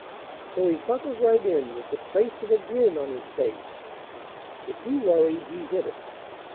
So he buckled right in with the trace of a grin On his face. If he worried he hid it.